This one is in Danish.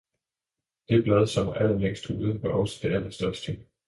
det blad, som var længst ude, var også det allerstørste.